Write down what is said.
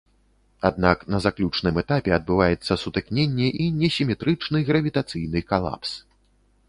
Аднак на заключным этапе адбываецца сутыкненне і несіметрычны гравітацыйны калапс.